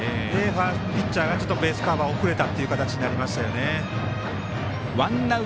ピッチャーがベースカバー遅れたという形になりましたよね。